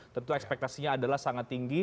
tentu ekspektasinya adalah sangat tinggi